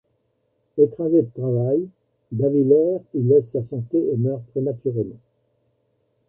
Écrasé de travail, d'Aviler y laisse sa santé et meurt prématurément.